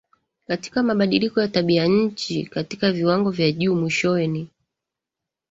katika mabadiliko ya tabianchi katika viwango vya juu Mwishowe ni